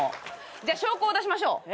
じゃあ証拠を出しましょう。